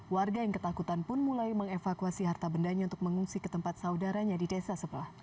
warga yang ketakutan pun mulai mengevakuasi harta bendanya untuk mengungsi ke tempat saudaranya di desa sebelah